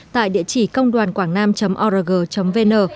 tại địa chỉ công đoànquangnam org vn